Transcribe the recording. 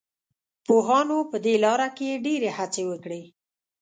پوهانو په دې لاره کې ډېرې هڅې وکړې.